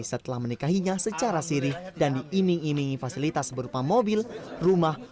setelah menikahinya secara siri dan diining iningi fasilitas berupa mobil rumah